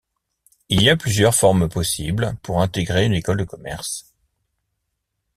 Il y a plusieurs formes possibles pour intégrer une école de commerce.